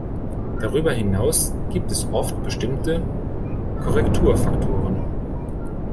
Darüber hinaus gibt es oft bestimmte Korrekturfaktoren.